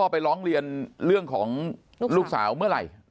ไปร้องเรียนเรื่องของลูกสาวเมื่อไหร่